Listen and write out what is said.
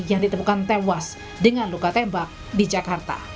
yang ditemukan tewas dengan luka tembak di jakarta